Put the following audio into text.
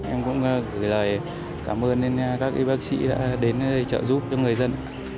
em cũng gửi lời cảm ơn đến các y bác sĩ đã đến trợ giúp cho người dân